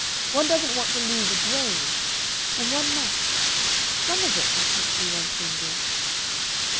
One doesn't want to lose a grain. And one must some of it must slip through one's fingers."